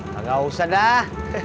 gak usah dah